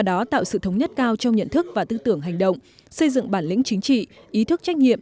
với tư tưởng chính trị ý thức trách nhiệm